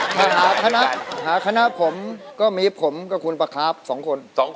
ถ้าหาคณะผมก็มีผมกับคุณประคราบสองคน